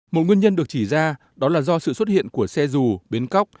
một nguyên nhân được chỉ ra đó là do sự xuất hiện của xe dù bến cóc